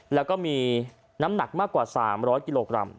แล้วก็มีน้ำหนักมากกว่า๓๐๐กิโลกรัม